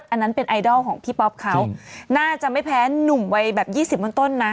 อันนั้นเป็นไอดอลของพี่ป๊อปเขาน่าจะไม่แพ้หนุ่มวัยแบบยี่สิบต้นนะ